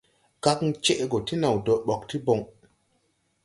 Kagn cɛʼ gɔ ti naw dɔɔ ɓɔg ti bɔŋ.